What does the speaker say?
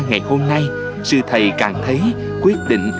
ngày hôm nay sư thầy càng thấy quyết định